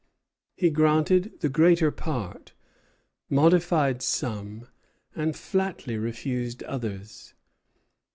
He granted the greater part, modified some, and flatly refused others.